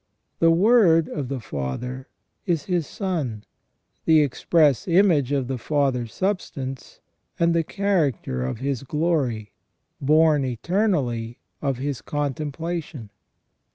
The Word of the Father is His Son, the express image of the Father's substance, and the character of His glory, born eternally of His contemplation.